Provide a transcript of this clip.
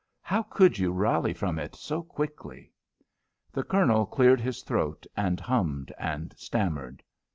How could you rally from it so quickly?" The Colonel cleared his throat and hummed and stammered.